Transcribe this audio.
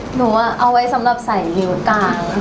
หนูอะเอาไว้สำหรับใส่วิวกลาง